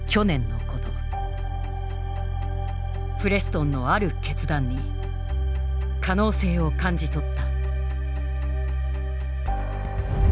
プレストンのある決断に可能性を感じ取った。